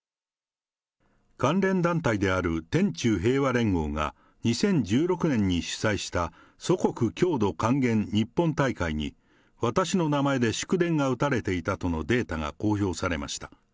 関連団体である天宙平和連合が、２０１６年に主催した祖国郷土還元日本大会に、私の名前で祝電が打たれていたとのデータが公表されました。